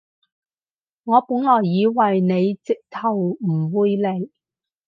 我本來以為你直頭唔會嚟